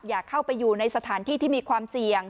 อย่าเข้าไปอยู่ในสถานที่ที่มีความเสี่ยง